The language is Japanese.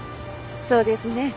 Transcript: そうですね。